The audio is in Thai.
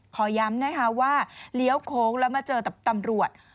ขอย้ำนะคะว่าเลี้ยวโค้งแล้วมาเจอกับตำรวจ